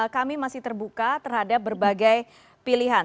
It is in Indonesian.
kami masih terbuka terhadap berbagai pilihan